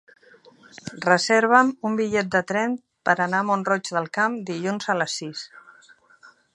Reserva'm un bitllet de tren per anar a Mont-roig del Camp dilluns a les sis.